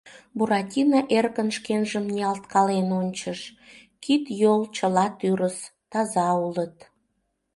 Буратино эркын шкенжым ниялткален ончыш — кид, йол чыла тӱрыс, таза улыт.